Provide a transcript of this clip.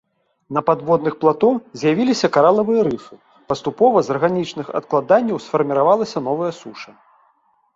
На падводных плато з'явіліся каралавыя рыфы, паступова з арганічных адкладанняў сфарміравалася новая суша.